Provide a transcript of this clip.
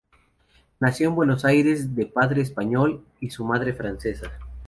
Nació en Buenos Aires de padre español y madre francesa.